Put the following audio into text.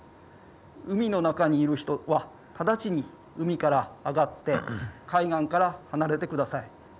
海の中にいる人は直ちに海から上がって海岸から離れてください。